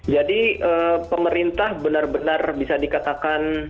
jadi pemerintah benar benar bisa dikatakan